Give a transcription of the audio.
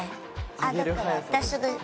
ああだから。